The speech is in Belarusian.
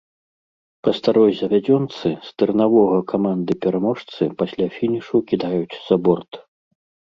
Па старой завядзёнцы, стырнавога каманды-пераможцы пасля фінішу кідаюць за борт.